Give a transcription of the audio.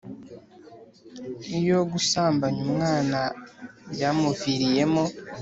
Iyo gusambanya umwana byamuviriyemo